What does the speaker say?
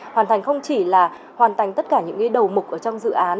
hoàn thành không chỉ là hoàn thành tất cả những đầu mục ở trong dự án